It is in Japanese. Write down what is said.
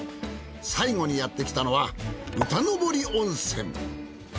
最後にやってきたのは歌登温泉。